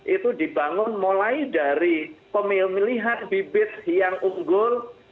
itu dibangun mulai dari pemilihan bibit yang unggul